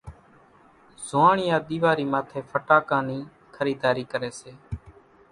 زوئاڻيا ۮيواري ماٿي ڦٽاڪان نِي خريڌاري ڪري سي ،